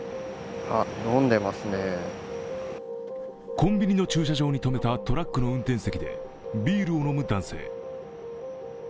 コンビニの駐車場に止めたトラックの運転席でビールを飲む男性。